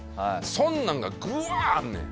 そんなんがぐわーあんねん。